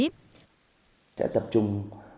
chúng tôi sẽ tập trung